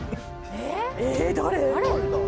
えっ誰？